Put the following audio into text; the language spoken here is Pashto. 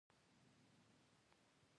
خپل گناهونه ئې دغه حالت ته ورسوي.